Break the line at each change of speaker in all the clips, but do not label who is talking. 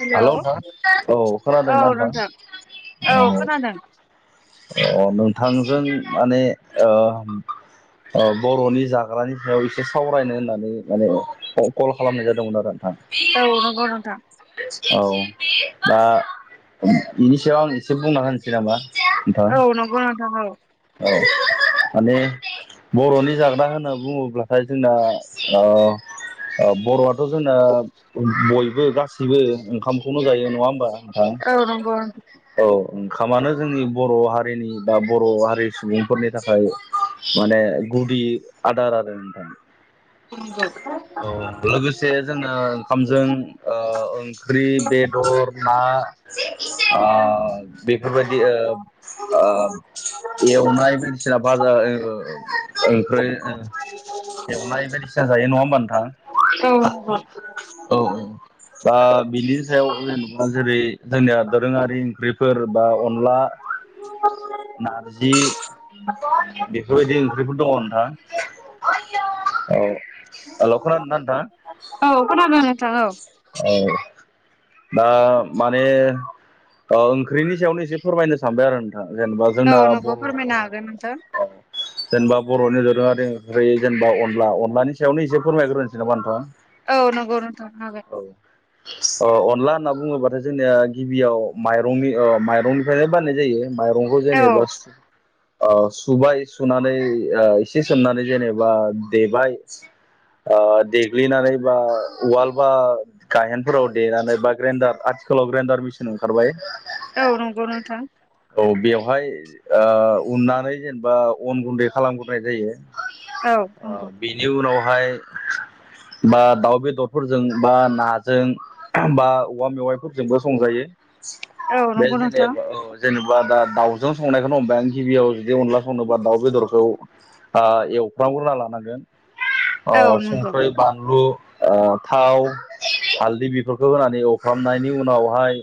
हेल'
hello नोंथां
औ
खोनादोंना
नोंथां औ
नोंथां
खोनादों
अ नोंथांजों माने ओ ओ बर'नि जाग्रानि सायाव एसे सावरायनो होननानै माने कल खालामनाय जादोंमोन आरो [unintelligible]
औ नोंथां
औ दा बेनि सायाव आं एसे बुंना होनोसै नामा नोंथां
औ नंगौ नोंथां औ
औ माने बर'नि जाग्रा होनना बुङोब्लाथाय जोंना ओ ओ बर'आथ' जोंना बयबो गासैबो ओंखामखौनो जायो नङा होमबा? [unintelligible]
औ नंगौ
औ ओंखामानो जोंनि बर' हारिनि बा बर' हारि सुबुंफोरनि थाखाय माने गुदि आदार आरो नोंथां
[unintelligible]
औ लोगोसे जोङो ओंखामजों ओ ओंख्रि, बेदर, ना आ बेफोरबायदि ओ ओ
[inaudible]
एवनाय बायदिसिना भाजा ओ ओंख्रै ओ
[inaudible]
भाजा जायो नङा होमबा नोंथां
औ
औ औ दा बिनि सायाव जेनेबा जेरै जोंनिया दोरोङारि ओंख्रिफोर बा अनला
[inaudible]
नारजि बेफोरबायदि ओंख्रिफोर दङ नोंथां औ हेलौ खोनादोंना नोंथां?
औ खोनादों नोंथां औ
औ। दा माने ओंख्रिनि ओ सायावनो एसे फोरमायनो सानबाय आरो नोंथां? जेनेबा
औ
जोंना
नंगौ
बर
फोरमायनो हागोन नोंथां
जेनेबा बर'नि दोरोङरारि ओंख्रि जेनेबा अनला अनलानि सायावनो एसे फोरमायग्रोनोसै नामा नोंथां
औ नंगौ नोंथां हागाय
ओ अनला होनना बुङोब्लाथाय जोंनिया गिबियाव माइरंनि माइरंनिफ्रायनो बाननाय जायो माइरंखौ
औ
जानोबा सु ओ सुबाय सुनानै ओ एसे सोमनानै जेनेबा देबाय ओ देग्लिनानै बा औआल ओ बा गायेनफोराव देनानै बा ग्रेन्डार आ स्कुलाव ग्रेन्डार मिसन ओंखारबाय
औ नंगौ नोंथां
औ बेवहाय ओ उननानै जेनेबा अन गुन्दै खालामग्रोनाय जायो
औ
आ
नंगौ
बेनि उनावहाय बा दाउ बेदरफोरजों बा नाजों बा औवा मेवाइफोरजोंबो संजायो
औ
बे
नंगौ नोंथां
जेनेबा ओ जेनेबा दा दाउजों संनायखौनो हमबाय आं गिबियाव जुदि अनला संनोबा दाउ बेदरखौ आ एवफ्राम ग्रोना लानांगोन ओ
औ नंगौ
संख्रै बानलु ओ थाव हालदै बेफोरखौ होनानै एवफ्रामनायनि उनावहाय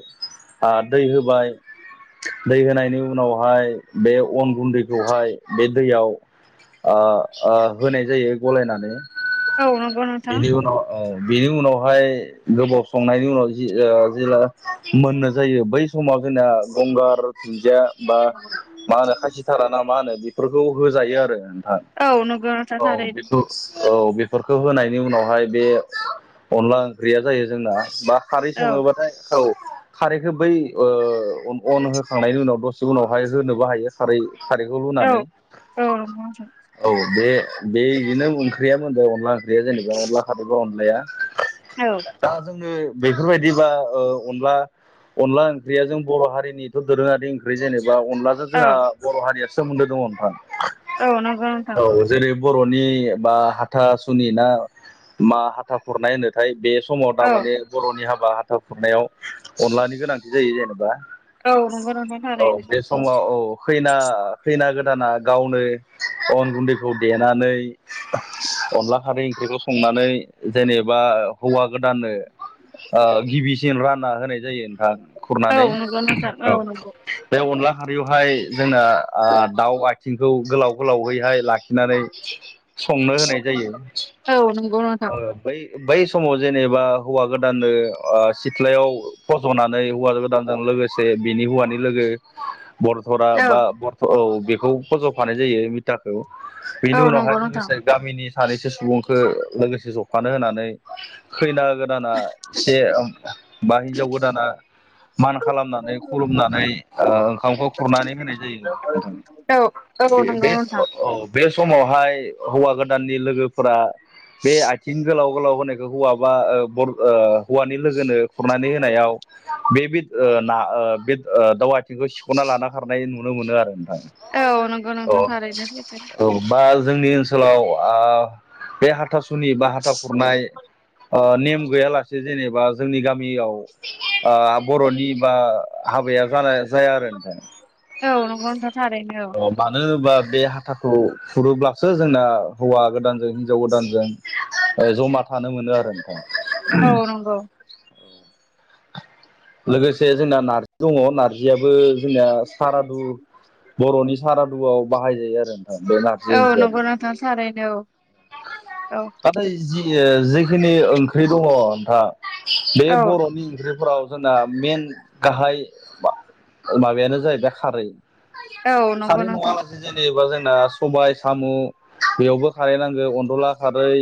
आ दै होबाय दै होनायनि उनावहाय बे अन गुन्दैखौहाय बे दैयाव आ आ होनाय जायो गलायनानै
औ नंगौ नोंथां
बिनि उनाव ओ बिनि उनावहाय गोबाव संनायनि उनाव जि ओ जेला मोननाय जायो बै समाव जोंना गंगार दुन्दिया बा मा होनो खासिथारा ना मा होनो बेफोरखौ होजायो आरो नोंथां
औ नंगौ नोंथां
औ। अ
थारैनो
बिखौ औ बेफोरखौ होनायनि उनावहाय बे अनला ओंख्रिया जायो जोंना बा खारै
औ
सङोबाथाय औ खारैखौ बै ओ अन होखांनायनि उनाव दसे उनावहाय जोनोबो हायो खारै खारैखौ
औ
लुनानै
औ नंगौ नोंथां
औ बे बे बिदिनो ओंख्रिया मोनदों अनला ओंख्रिया जेनेबा अनला खारबा अनलाया
औ
दा जोङो बेफोरबायदिबा ओ अनला अनला ओंख्रिया जों बर' हारिनिथ' दोरोङारि ओंख्रि जेनेबा अनलाजों
औ
जोंहा बर' हारिया सोमोन्दो दङ नोंथां।
औ नोंगै नो़थां।
औ जेरै बर'नि बा हाथासुनि ना मा हाथा खुरनाय होनोथाय बे समाव
औ
थारमाने बर'नि हाबा हाथा खुरनायाव अनलानि गोनांथि जायो जेनेबा
औ नंगौ नोंथां
औ
थारैनो
बे समाव औ खैना हैैना गोदान दाना गावनो अन गुन्दैखौ देनानै अनला खारै ओंख्रिखौ संनानै जेनेबा हौवा गोदानो गिबिसिन रानना होनाय जायो
औ
खुरनानै
नंगौ नोंथां
औ
नंगौ
बे अनला खारि बेहाय जोंना आ दाउ आथिंखौ गोलाव गोलावैहाय लाखिनानै संनो होनाय जायो।
औ नंगौ नोंथां।
ओ बै बै समाव जेनेबा हौवा गोदाननो ओ सिथ्लायाव फस'नानै हौवा गोदानजों लोगोसे बिनि हौवानि लोगो बरथरा
औ
बा बर औ बेखौ फज'फानाय जायो मिथाखौ
औ
बेनि
नंगौ
उनावहाय
नोंथां
लोगोसे गामिनि सानैसो सुबुंखौ लोगोसे जफानो होनानै खैना गोदाना से बा हिनजाव गोदाना मान खालामनानै खुलुमनानै ओ ओंखामखौ खुरनानै होनाय जायो नोंथां।
औ औ नंगौ
बे-बे
नोंथां
औ बे समावहाय हौवा गोदाननि लोगोफोरा बे आथिं गोलाव गोलाव होनायखौ हौवा ओ बा ओ हौवानि लोगोनो खुरनानै होनायाव बे-बे ओ ना ओ बे दाउ आथिंखौ सिख'ना लाना खारनाय नुनो मोनो आरो।
नंगौ
औ
नोंथां थारैनो सैथो
औ बा जोंनि ओनसोल ओनसोलाव आ बे हाथा सुनि बा हाथा खुरनाय ओ नेम गैयालासे जेनेबा जोंनि गामियाव ओ बर'नि बा हाबाया जानाय जाया आरो नोंथां।
औ नोंथां। थारैनो
अ
औ
मानो बा बे हाथाखौ खुरोब्लासो जोंना हौवा गोदानजों हिनजाव गोदानजों जमा थानो मोनो आरो नोंथां।
औ नंगौ।
लोगोसे जोंना नारजि दङ नारजियाबो जोंना सारादु बर'नि सारादुआव बाहाय जायो आरो। बे नारजि
औ
ओंख्रि आ
नंगौ नोंथां थारैनो औ
नाथाय जि जिखिनि ओंख्रि दङ नोंथा बे
औ
बर'नि ओंख्रिफोराव जोंना मेन गाहाय माबायानो जाहैबाय खारै
औ नंगौ
खारै
नोंथां
नङालासे जेनेबा जोंना सबाय साम' बेयावबो खारै नांगौ अनदला खारै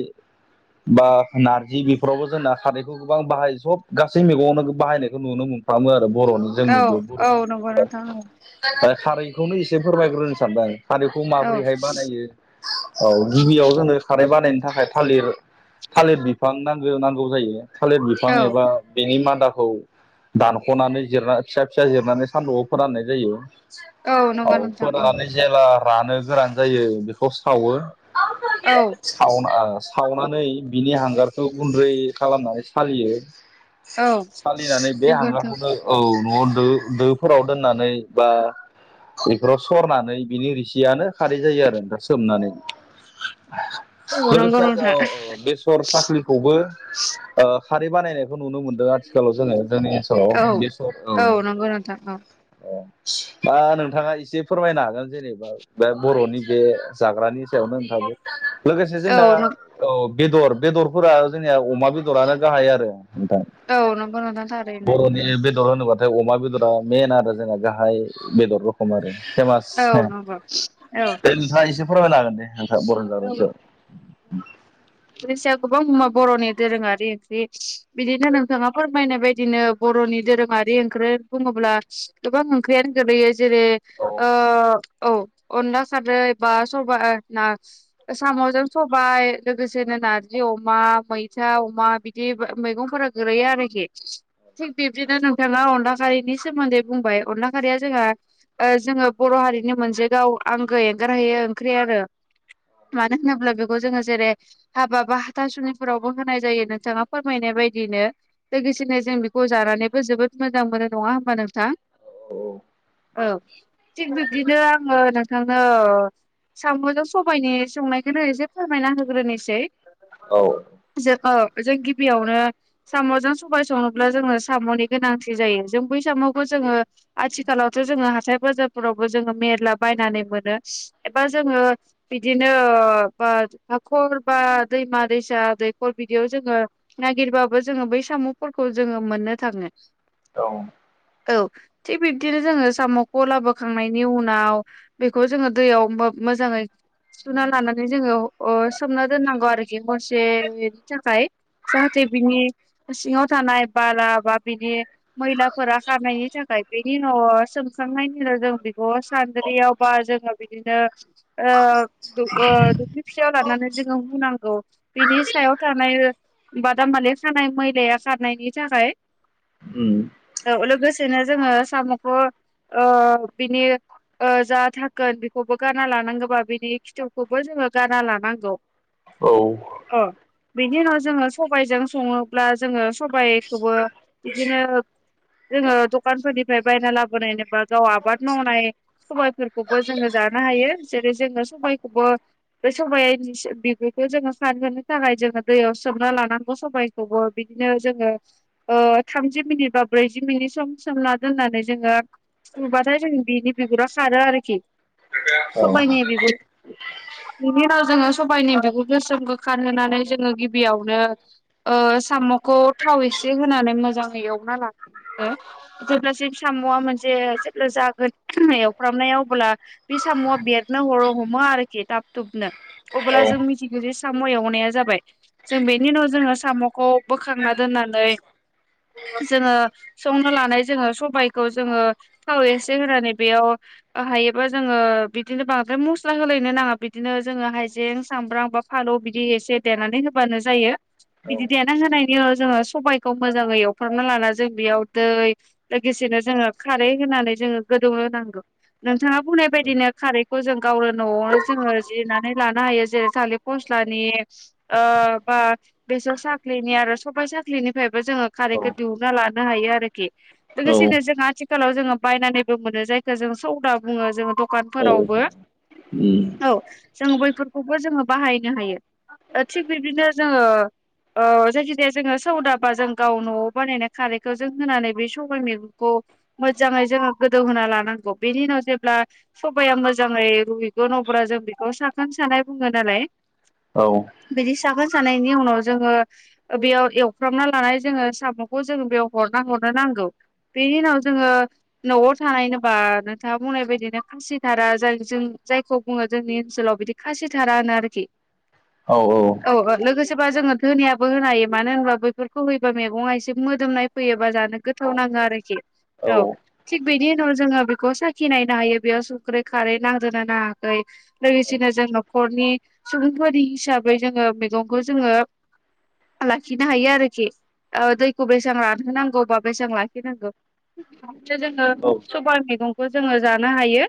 बा नारजि बेफोरावबो जोंना सारैखौ गोबां बाहायो सब गासै मैगंवनो बाहायनायखौ नुनो मोनो खालामो आरो बर'नि
औ
जोंनि बे
औ नंगौ नोंथां
बर'निफ खारैखौनो एसे फोरमायग्रोनो सानदों आं खारैखौ
औ
माब्रैहाय बानायो औ गिबियाव जोंनो खारै बानायनो थाखाय थालिर थालिर बिफां नांगौ नांगौ जायो। थालिर बिफां
औ
एबा बेनि मादा खौ दानख'नानै जिर फिसा फिसा जिरनानै सान्दुआव फोराननाय जायो औ
नंगौ नोंथां औ
फोरनानै जेब्ला रानो गोनां जायो बेखौ सावो
औ
स सावनानै बिनि हां हगारखौ गुन्दै खालामनानै सालियो
औ
सालिनानै बे
नंगौ नोंथां
हांग्राखौनो औ न'आव दो-दोफोराव दोननानै बा बेफोराव सरनानै बिनि रिसियानो खारै जायो आरो दा सोमनानै
औ नंगौ
लोगोसे जों
नोंथां
ओ बेसर साफ्रिखौबो खारै बानायनायखौ नुनो मोनदो ओ आथिखालाव जोङो जोंनि ओनसोलाव
औ
बेसर
औ
औ-औ
नंगौ नोंथां औ
दा नोंथाङा एसे फोरमायनो हागोन जेनेबा बे बर'नि बे जाग्रानि थायावनो थायो लोगोसे
औ
जोंना औ बेदर-बेदरफोरा जोंनिया अमा बेदरानो गाहाय आरो नोंथां
औ नंगौ नोंथां थारैनो
बर'नि बेद बेदर होनोबाथाय अमा बेदरा मेन आरो जोंहा गाहाय बेदर रखम आरो फेमास
औ नंगौ औ
ओ दे नोंथाङा एसे फोरमायनो हागोन दे। नोंथाङा
औ
बर'नि
ओम रेसियाखौबो मुवा बर'नि दोरोङारि ओंख्रि बिदिनो नोंथाङा फोरमायनाय बायदिनो बर'नि दोरोङारि ओंख्रै बुङोब्ला गोबां ओंख्रियानो गोग्लैयो जेरै ओ औ अनला साद्रो नै बा सबा ओ ना साम'जों सबाय लोगोसेनो नारजि अमा मैथा अमा बिदि बो मैगंफोरा गोरैयो आरोखि। थिग बिब्दिनो नोंथाङा अनला खारिनि सोमोन्दै बुंबाय अनला खारिया जोंहा ओ जोङो बर' हारिनि मोनसे गाव आंगो एंगारहैयो ओंख्रि आरो
औ।
मानो होनोब्ला बेखौ जोङो जेरै हाबा-बा हाथासुुलिफोरावबो होनाय जायो नोंथाङा फोरमायनाय बायदि दिनो लोगोसेनो जों बेखौ जानानैबो जोबोद मोजां मोनो नङा होमबा नोंथां?
उम औ
औ थिग बिब्दिनो आङो नोंथांनो ओ साम'जों स सबाइनि संनायखौनो एसे फोरमायना होग्रोनोसै।
जाग्रानि सायाव औ
जों औ जों गिबियावनो साम'जों सबाय संङोब्ला जोंङो साम'नि गोनांथि जायो जों बो बै साम'खौ जोङो आथिखालावथ' जोङो हाथाय-बाजारफोरावबो जोङो मेरला बायनानै मोनो। एबा जोङो बिदिनो ओ बा हाखर बा दैमा-दैसा दैखर बिदियाव जोङो नागिरबाबो जोङो बै साम'फोरखौ जोङो मोननो थाङो।
औ।
औ थिग बिब्दिनो जोङो साम'खौ लाबोखांनायनि उनाव बेखौ जोङो दैयाव मोब मोजाङै सुना लानानै जोङो अ-ओ सोमना दोननांगौ आरोखि हरसेनि थाखाय। जाहाथे बिनि सिङाव थानाय बाला बा बिनि मैलाफोरा खारनायनि थाखाय। बेनि उनाव सोमखांनायनि उनाव जों बेखौ सानद्रियावबा जोङो बिदिनो ओ दु - ओ दोल्खि फियाव लानानै जोङो हुनांगौ बिनि सायाव थानाय बादामालि खानाय मैलाया खारनायनि
उम
थाखाय।‌औ लोगोसे बिदिनो जोङो साम'खो ओ बिनि ओ जा धाकोन बेखौबो गारना लानांगौ अबा बिनि खिथौखौबो जोङो गारना लानांगौ।
औ।
अ बिनि उनाव जोङो सबायजों सङोब्ला जोङो सबायखौबो बिदिनो जोङो दकानफोरनिफ्राय बायना लाबोनाय एबा गाव आबाद मावनाय सबायफोरखौबो जोङो जा जानो हायो जेरै जोङो सबायखौबो बे सबायाइनि सि बिगुरखौ जोङो सानहोनो थाखाय जोङो दैयाव सोमना लानांगौ सबायखौबो बि बिदिनो जोङो ओ थामजि मिनिट बा ब्रैजि मिनिट सम सोमना दोननानै जोङो सुबाथाय जों बिनि बिगुरा खारो आरोखि।
उम
सबायनि बिगुर
[inaudible]
बिनि उनाव जोङो सबाइनि बिगुर गोसोमखौ खारहोनानै जोङो गिबियावनो ओ साम म'खौ थाव एसे होनानै मोजाङै एवना ला हो जेब्लासिम साम'आ मोनसे जेब्ला जागोन एवफ्रामनायाव अब्ला बे साम'आ बेरनो हर' हमो आरोखि थाब थुुबनो
औ
अब्ला जों मिथिगौ जे साम' एवनाया जाबाय । जों बेनि उनाव जोङो साम'खौ बोखांना दोन नानै जोङो संनो लानाय जोङो सबायखौ जोङो थाव एसे होनानै बेयाव हायोबा जोङो बि बिदिनो बांद्राय मस्ला होलायनो नाङा बिदिनो जोङो हाइजें, सामब्राम, बा फालौ बिदि एसे देनानै होबानो जायो । बिदि देना होनायनि जोङो सबाइखौ मोजाङै एवफ्रामना लाना जों बेयाव दै लोगोसे जोङो खारै होनानै जोङो गोदौ होनांगौ । नोंथाङा बुंनाय बायदिनो‌। खारैखौ जों गावनो न'आवनो जोङो जिरनानै लानो हायो जेरै थालिर फस्लानि ओ ओ बा बेसोर साखलिनि आरो सबा साखलिनिफ्राय बो जोङो
औ
खारैखौ दिहुनना लानो हायो आरोखि लोगोसेनो
औ
जों आथिलाव जोङो बायनानैबो मोनो जायखौ जों सौदा बुङो । जोङो
औ
दखानफोरावबो
उम औ
औ जों बैफोरखौबो जोङो बाहायनो हायो । ओ थिग बिदिनो जोङो ओ जायखि जाया जोङो सौदाबा जों गाव न'आव बानायनाय खारैखौ जों होनानै बे सबाय मैगंखौ मोजाङै जोङो गोदौहोना लानांगौ बेनि उनाव जेब्ला सबाया मोजाङै रुयगोन अब्ला जों बेखौ साखोन सानाय बुङो नालाय । बिदि साखोन सानायनि उनाव जोङो बेयाव एवफ्रामना लानाय जोङो साम'खौ जोङो बेयाव हरना हरनो नां गौ बेनि उनाव जोङो न'आव थानाय होनोबा नोंथाङा बुंनाय बायदिनो खासिथारा जाय जों जायखौ बुङो जोंनि ओनसोलाव बिदि खासि थारा होनो आरोखि । औ औ लोगोसे सोरबा जोङो धोनियो होनो हायो मानो होनबा बैफोरखौ होयोबा मैगङा एसे मोदोमनाय फैयो बा जानो गोथाव नां ङो आरोखि, औ थिग बिनि उनाव जोङो बेखौ साखिनायनो हायो । बेयाव संख्रै, खारै नांदोना नाङाखै लोगोसेनो जों न'खरनि सुबुंफोरनि हिसाब बै जोङो मैगंखौ जोङो लाखिनो हायो आरोखि । ओ दैखौ बेसेबां रानहोनांगौ बा बेसां लाखिनांगौ । जोङो सबाइ मैगंखौ जोङो जानो हायो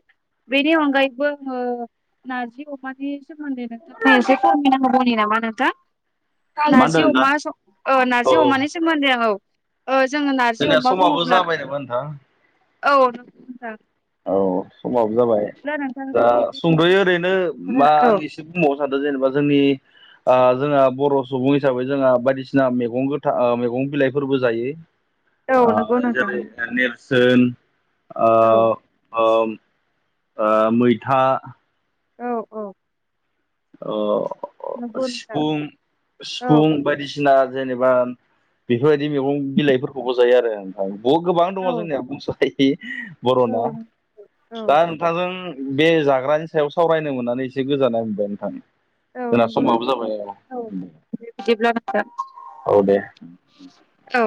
बेनि अनगायैबो ओ नारजि अमानि सोमोन्दै नोंथां एसे फोरमायना होबावनि नामा नोंथां?
मा होनदों
नारजि
नोंथां
अमा औ
औ
नार्जि
औ
अमानि सोमोन्दै औ औ जोङो नार्जि
जोंनिया
अमा
समाबो
बुङोब्ला
जाबाय नामा नोंथां
औ नोंथां
औ समाबो जाबाय
बिदिब्ला नोंथां
दा
जोंनि
सुंद'यो ओरैनो मा
औ
आं एसे बुंबावनो सानदों जेनेबा जोंनि जोंहा बर' सुबुं हिसाबै जोंहा बायदिसिना मैगं गोथां मैगं बिलाइफोरबो जायो
औ नंगौ नोंथां
जेरै नेरसोन ओ
औ
ओ मैथा
औ औ नंगौ नोंथां
सिफुं
औ
सिफुं बायदिसिना जेनेबा बेफोरबायदि मैगं बिलाइफोरखौबो जायो आरो नोंथां गोबां दङ
औ
जोंनिया बुंस' हायि
औ
बर'ना
औ
दा नोंथांजों बे जाग्रानि सायाव सावरायनो मोननानै एसे गोजोननाय मोनबाय नोंथां
औ
जोंना
नंगौ
समाबो
नोंथां औ
जाबाय
बिदिब्ला नोंथां
औ दे
औ